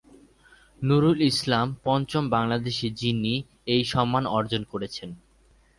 নুরুল ইসলাম পঞ্চম বাংলাদেশী যিনি এই সম্মান অর্জন করেছেন।